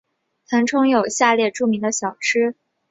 腾冲有下列著名的小吃。